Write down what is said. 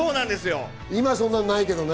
今そんなんないけどね。